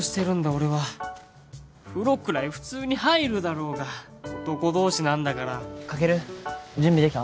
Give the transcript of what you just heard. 俺は風呂くらい普通に入るだろうが男同士なんだからカケル準備できた？